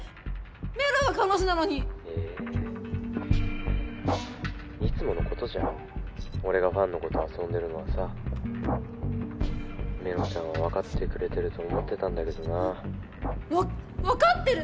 めろが彼女なのにえぇいつものことじゃん俺がファンの子と遊んでるのはさめろちゃんは分かってくれてると思ってたんだけどなわ分かってる！